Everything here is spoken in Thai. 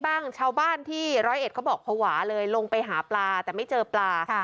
ชาวบ้านที่ร้อยเอ็ดเขาบอกภาวะเลยลงไปหาปลาแต่ไม่เจอปลา